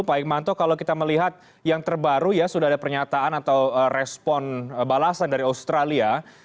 pak hikmanto kalau kita melihat yang terbaru ya sudah ada pernyataan atau respon balasan dari australia